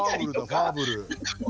ファーブル！